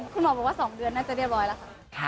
คุณหมอบอกว่า๒เดือนน่าจะเรียบร้อยแล้วค่ะ